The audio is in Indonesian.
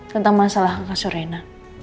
tentang masalah hak asurena